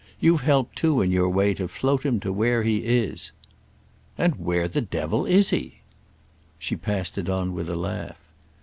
You've helped too in your way to float him to where he is." "And where the devil is he?" She passed it on with a laugh.